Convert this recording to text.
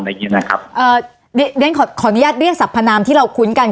อย่างงี้นะครับเอ่อเรียนขอขออนุญาตเรียกสรรพนามที่เราคุ้นกัน